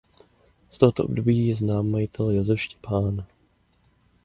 Z tohoto období je znám majitel Josef Štěpán.